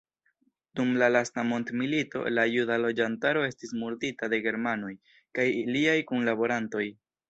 Dum la lasta mondmilito la juda loĝantaro estis murdita de germanoj kaj iliaj kunlaborantoj.